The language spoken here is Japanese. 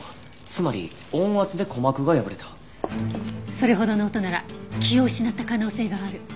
それほどの音なら気を失った可能性がある。